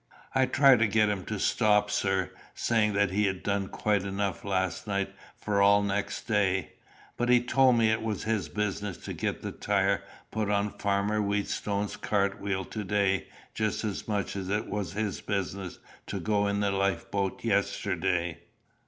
"I tried to get him to stop, sir, saying he had done quite enough last night for all next day; but he told me it was his business to get the tire put on Farmer Wheatstone's cart wheel to day just as much as it was his business to go in the life boat yesterday.